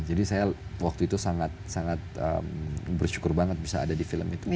jadi saya waktu itu sangat bersyukur banget bisa ada di film itu